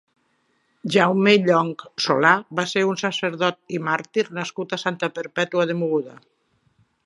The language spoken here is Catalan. Jaume Llonch Solà va ser un sacerdot i màrtir nascut a Santa Perpètua de Mogoda.